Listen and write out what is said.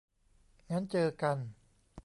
งั้นเจอกัน